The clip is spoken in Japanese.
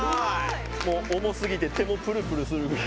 もう重すぎて手もプルプルするぐらい。